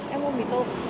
em mua mì tôm